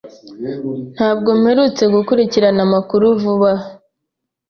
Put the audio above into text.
Ntabwo mperutse gukurikirana amakuru vuba aha.